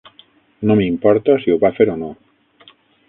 No m'importa si ho va fer o no.